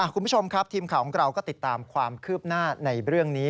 คุณผู้ชมครับทีมข่าวของเราก็ติดตามความคืบหน้าในเรื่องนี้